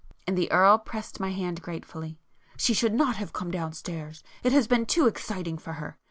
and the Earl pressed my hand gratefully—"She should not have come downstairs,—it has been too exciting for her.